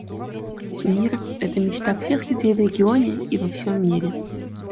Мир — это мечта всех людей в регионе и во всем мире.